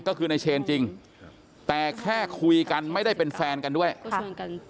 ก็คือในเชนจริงแต่แค่คุยกันไม่ได้เป็นแฟนกันด้วยค่ะ